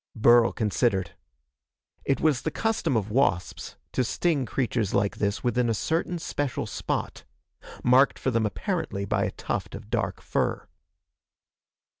Burl considered. It was the custom of wasps to sting creatures like this within a certain special spot marked for them apparently by a tuft of dark fur.